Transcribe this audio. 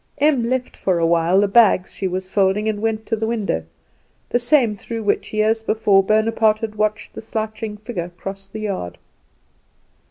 Em left for a while the bags she was folding and went to the window, the same through which, years before, Bonaparte had watched the slouching figure cross the yard.